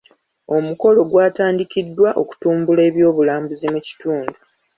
Omukolo gwatandikiddwa okutumbula ebyobulambuzi mu kitundu.